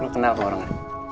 lo kenal kok orangnya